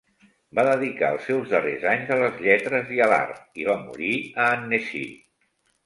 Va dedicar els seus darrers anys a les lletres i a l'art i va morir a Annecy.